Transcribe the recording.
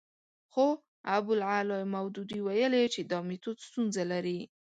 خو ابوالاعلی مودودي ویلي چې دا میتود ستونزه لري.